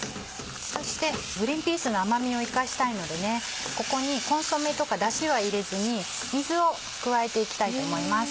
そしてグリンピースの甘みを生かしたいのでここにコンソメとかだしは入れずに水を加えていきたいと思います。